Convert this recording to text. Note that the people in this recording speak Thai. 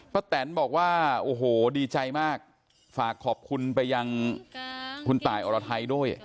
แตนบอกว่าโอ้โหดีใจมากฝากขอบคุณไปยังคุณตายอรไทยด้วย